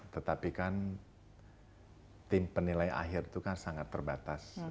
tetapi kan tim penilai akhir itu kan sangat terbatas